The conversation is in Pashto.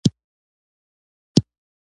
ماشومان دي.